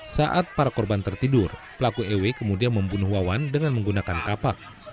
saat para korban tertidur pelaku ew kemudian membunuh wawan dengan menggunakan kapak